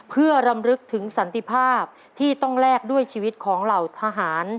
เพื่อรำลึกถึงสันติภาพที่ต้องแลกด้วยชีวิตของเหล่าทหาร